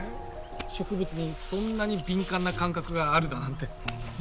植物にそんなに敏感な感覚があるだなんて。